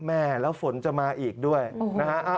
แม่แล้วฝนจะมาอีกด้วยนะฮะ